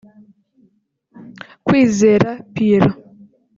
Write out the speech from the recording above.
Kwizera Pierrot